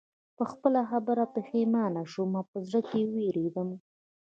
په خپله خبره پښېمانه شوم او په زړه کې ووېرېدم